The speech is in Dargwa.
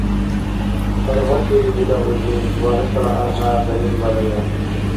Паргъатии, дила узи, ва хӀушала архӀя даимбарая.